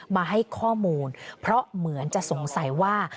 มาให้ข้อมูลเพราะเหมือนจะสงสัยว่า